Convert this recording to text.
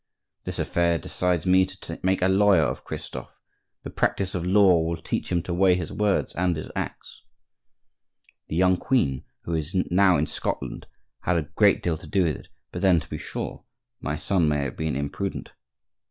—"This affair decides me to make a lawyer of Christophe; the practice of law will teach him to weigh his words and his acts."—"The young queen, who is now in Scotland, had a great deal to do with it; but then, to be sure, my son may have been imprudent."